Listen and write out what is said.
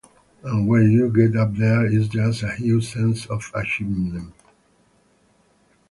And when you get up there, it's just a huge sense of achievement.